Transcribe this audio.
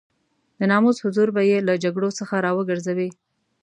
د ناموس حضور به يې له جګړو څخه را وګرځوي.